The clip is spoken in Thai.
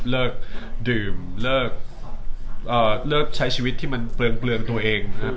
เลิกดื่มเลิกใช้ชีวิตที่มันเปลืองตัวเองนะครับ